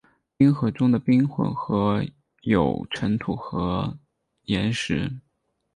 冰河中的冰混合有尘土和岩石。